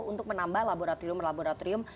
untuk menambah laboratorium laboratorium